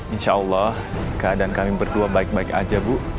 insya allah keadaan kami berdua baik baik aja bu